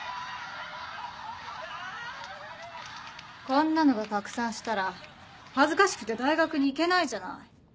こんなのが拡散したら恥ずかしくて大学に行けないじゃない。